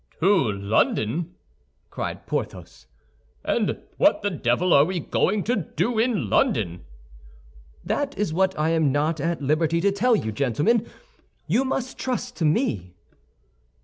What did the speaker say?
"To London!" cried Porthos; "and what the devil are we going to do in London?" "That is what I am not at liberty to tell you, gentlemen; you must trust to me."